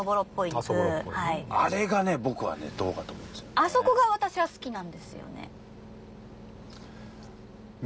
あそこがワタシは好きなんですよね。